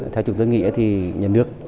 theo chúng tôi nghĩ thì nhà nước